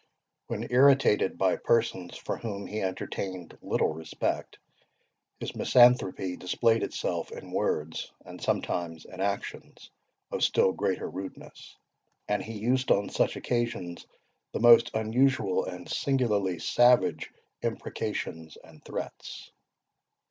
When irritated by persons for whom he entertained little respect, his misanthropy displayed itself in words, and sometimes in actions, of still greater rudeness; and he used on such occasions the most unusual and singularly savage imprecations and threats."